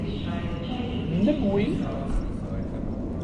Nnem wi?